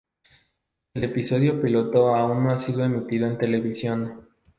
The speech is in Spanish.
El episodio piloto aún no ha sido emitido en televisión.